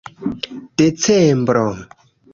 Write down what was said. decembro